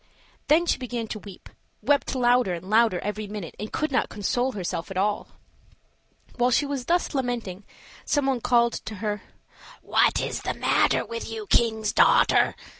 Then she began to weep, wept louder and louder every minute, and could not console herself at all. While she was thus lamenting some one called to her: "What is the matter with you, king's daughter?